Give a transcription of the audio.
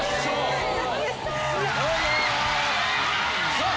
さあ！